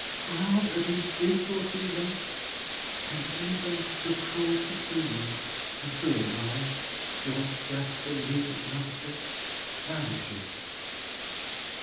Grant that he did foresee them; and even the cruelty to me—and who am I!—John Jasper, Music Master, vanishes!"